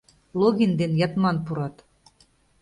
Логин ден Ятман пурат.